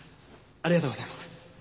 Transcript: ありがとうございます。